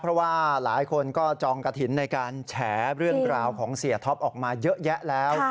เพราะว่าหลายคนก็จองกระถิ่นในการแฉเรื่องราวของเสียท็อปออกมาเยอะแยะแล้ว